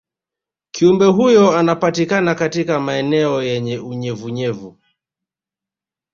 kiumbe huyo anapatikana katika maeneo yenye unyevunyevu